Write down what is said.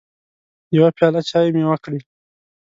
يوه پياله چايي مې وکړې